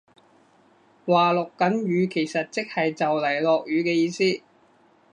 話落緊雨其實即係就嚟落雨嘅意思